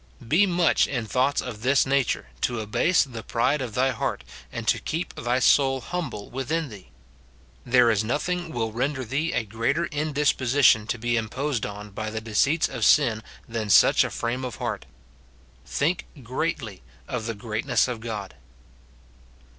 * Be much in thoughts of this nature, to abase the pride of thy heart, and to keep thy soul humble within thee. There is nothing will render thee a greater indisposition to be imposed on by the deceits of sin than such a frame of heart. Think greatly of the greatness of God.